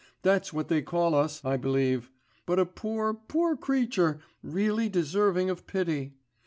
That's what they call us, I believe ... but a poor, poor creature, really deserving of pity.